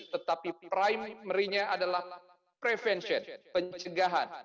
tetapi primary nya adalah prevention pencegahan